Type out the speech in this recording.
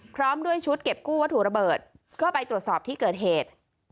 พร้อมด้วยชุดเก็บกู้วัตถุระเบิดก็ไปตรวจสอบที่เกิดเหตุ